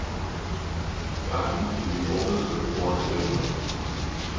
Dodin is the oldest of four siblings.